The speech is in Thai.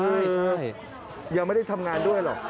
ใช่ยังไม่ได้ทำงานด้วยหรอก